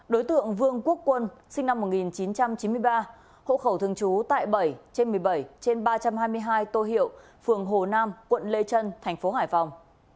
đối tượng vương quốc quân sinh năm một nghìn chín trăm chín mươi ba hộ khẩu thường trú tại bảy trên một mươi bảy trên ba trăm hai mươi hai tô hiệu phường hồ nam quận lê trân thành phố hải phòng